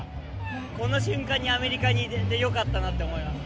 この瞬間にアメリカにいれてよかったなって思いました。